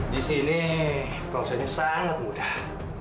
disini prosesnya sangat mudah